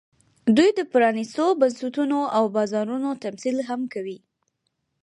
دوی د پرانېستو بنسټونو او بازارونو تمثیل هم کوي